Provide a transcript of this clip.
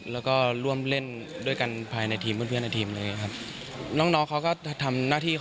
แล้วก็ร่วมเล่นด้วยกันภายในทีม